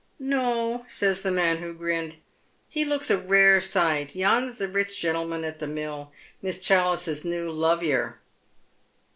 " No," says the man who grinned. " He looks a rare sight. Yen's the rich gentleman at the mill. Miss Challice's new lovyer."